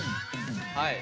はい。